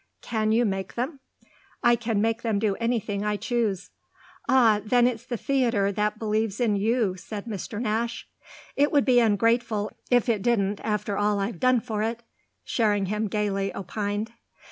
"Can you make them?" "I can make them do anything I choose." "Ah then it's the theatre that believes in you," said Mr. Nash. "It would be ungrateful if it didn't after all I've done for it!" Sherringham gaily opined.